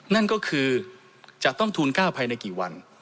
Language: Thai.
นั่นก็คือจะต้องทูล๙ภายในกี่วัน